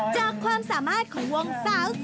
จากความสามารถของวงสาว